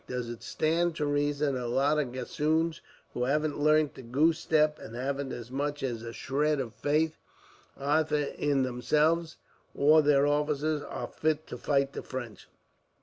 Does it stand to reason that a lot of gossoons, who haven't learnt the goose step, and haven't as much as a shred of faith, ayther in themselves or their officers, are fit to fight the French?"